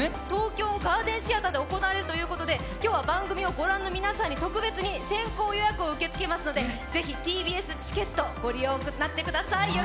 東京ガーデンシアターで行われるということで今日は番組を御覧の皆さんに特別に先行予約を受け付けますのでぜひ「ＴＢＳチケット」をご利用ください。